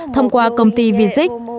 thông qua công ty vizik